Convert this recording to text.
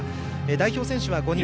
代表選手は５人。